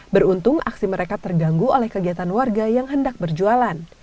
beruntung aksi mereka terganggu oleh kegiatan warga yang hendak berjualan